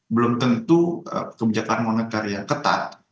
belum tentu kebijakan moneter yang ketat